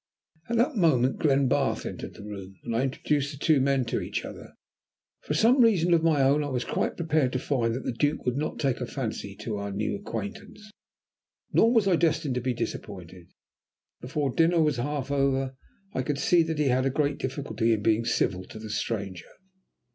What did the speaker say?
At that moment Glenbarth entered the room, and I introduced the two men to each other. For some reason of my own I was quite prepared to find that the Duke would not take a fancy to our new acquaintance, nor was I destined to be disappointed. Before dinner was half over I could see that he had a great difficulty in being civil to the stranger.